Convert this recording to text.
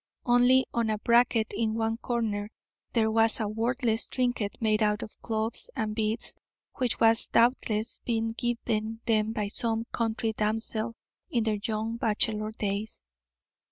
Only on a bracket in one corner there was a worthless trinket made out of cloves and beads which had doubtless been given them by some country damsel in their young bachelor days.